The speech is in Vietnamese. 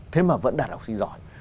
thế mà vẫn đạt học sinh giỏi